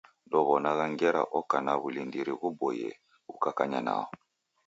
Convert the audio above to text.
Ndouw'onagha ngera oko na w'ulindiri ghuboie ukakanya nao.